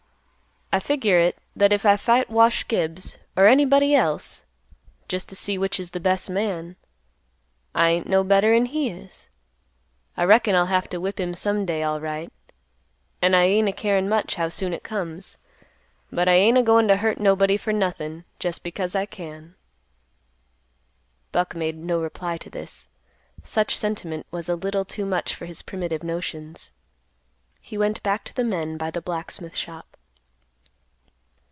I figure it that if I fight Wash Gibbs or anybody else just to see which is th' best man, I ain't no better'n he is. I reckon I'll have to whip him some day, alright, an' I ain't a carin' much how soon it comes; but I ain't a goin' to hurt nobody for nothin' just because I can." Buck made no reply to this. Such sentiment was a little too much for his primitive notions. He went back to the men by the blacksmith shop.